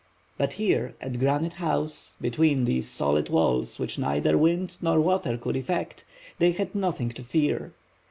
But here at Granite House, between these solid walls which neither wind nor water could effect, they had nothing to fear.